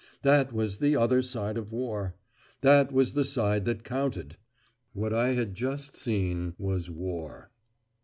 That was the other side of war; that was the side that counted. What I had just seen was war.